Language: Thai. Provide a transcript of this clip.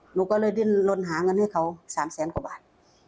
หนูก็เลยดิ้นลนหาเงินให้เขา๓แสนกว่าบาท